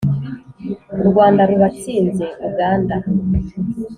u rwanda ruba tsinze uganda